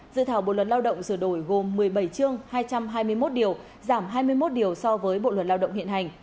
dự thảo bộ luật lao động sửa đổi gồm một mươi bảy chương hai trăm hai mươi một điều giảm hai mươi một điều so với bộ luật lao động hiện hành